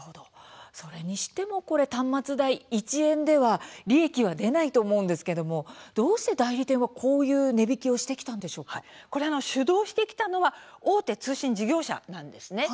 それにしても端末代１円では利益が出ないと思うんですがどうして代理店はこういう値引きをしてきた主導してきたのは大手通信事業者なんです。